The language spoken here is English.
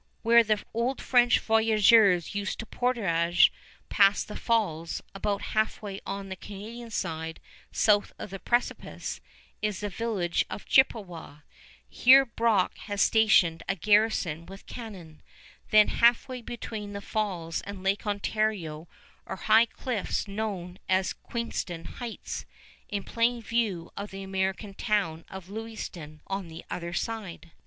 Where the old French voyageurs used to portage past the Falls, about halfway on the Canadian side south of the precipice, is the village of Chippewa. Here Brock has stationed a garrison with cannon. Then halfway between the Falls and Lake Ontario are high cliffs known as Queenston Heights, in plain view of the American town of Lewiston on the other side.